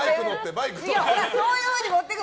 ほら、そういうふうに持っていく！